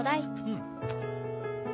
うん！